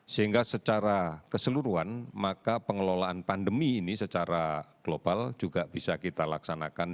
sehingga secara keseluruhan maka pengelolaan pandemi ini secara global juga bisa kita laksanakan